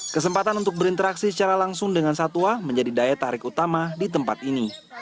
kesempatan untuk berinteraksi secara langsung dengan satwa menjadi daya tarik utama di tempat ini